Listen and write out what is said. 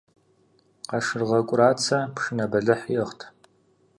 Къашыргъэ КӀурацэ пшынэ бэлыхь иӀыгът.